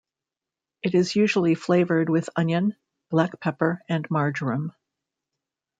It is usually flavored with onion, black pepper, and marjoram.